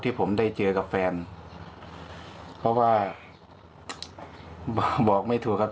ผมได้เจอกับแฟนเพราะว่าบอกไม่ถูกครับ